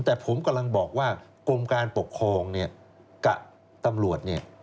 แต่ผมกำลังบอกว่ากรมการปกครองกับตำรวจ